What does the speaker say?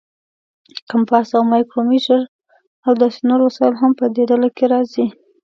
کمپاس او مایکرومیټر او داسې نور وسایل هم په دې ډله کې راځي.